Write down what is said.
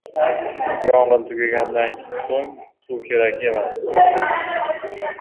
• Yong‘in tugagandan so‘ng suv kerak emas.